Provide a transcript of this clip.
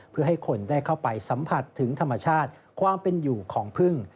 เพื่อให้คนได้เข้าไปสัมผัสถึงธรรมชาติความเป็นอยู่ของพึ่ง